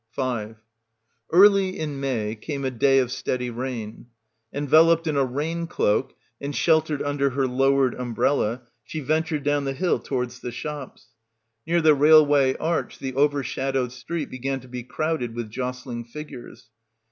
S Early in May came a day of steady rain. En veloped in a rain cloak and sheltered under her lowered umbrella she ventured down the hill towards the shops. Near the railway arch the overshadowed street began to be crowded with jostling figures.